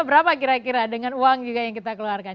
berapa kira kira dengan uang juga yang kita keluarkan